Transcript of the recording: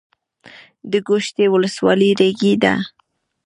د ګوشتې ولسوالۍ ریګي ده